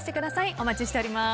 お待ちしております。